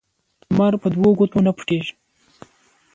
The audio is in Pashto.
لمر په دوو ګوتو نه پټېږي